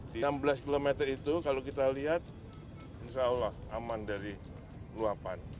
di enam belas km itu kalau kita lihat insya allah aman dari luapan